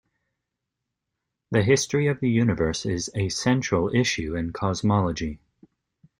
The history of the universe is a central issue in cosmology.